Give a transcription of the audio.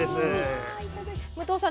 武藤さん